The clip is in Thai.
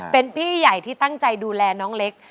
เป็นพี่ใหญ่ที่ตั้งใจดูแลน้องเล็ก